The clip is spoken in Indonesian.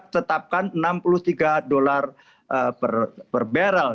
tetapkan enam puluh tiga dolar per barrel